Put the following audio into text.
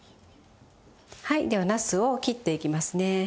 ではなすを切っていきますね。